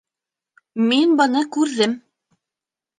Мин быны күрҙем.